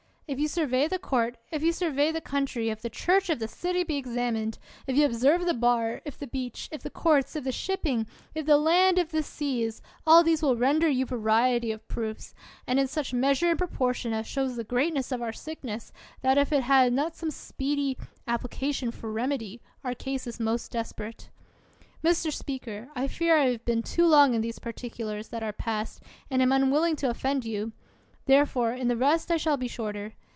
If you survey the court, if you survey the coun try, if the church, if the city be examined ; if you observe the bar, if the bench ; if the courts, if the shipping; if ths land, if the seas — all these will render you variety of proofs. And in such measure and proportion as shows the greatness of our sickness, that if it have not some speedy ap plication for remedy, our case is most desperate. Mr. Speaker, I fear I have been too long in these particulars that are past, and am unwilling to offend you; therefore in the rest I shall be shorter.